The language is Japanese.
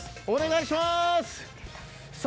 お願いします。